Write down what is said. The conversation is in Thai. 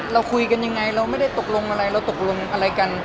เราคุยกันยังไงเราไม่ได้ตกลงอะไรเราตกลงอะไรกัน